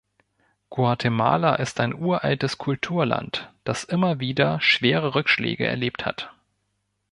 Guatemala ist ein uraltes Kulturland, das immer wieder schwere Rückschläge erlebt hat.